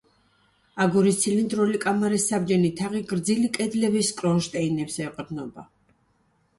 აგურის ცილინდრული კამარის საბჯენი თაღი გრძივი კედლების კრონშტეინებს ეყრდნობა.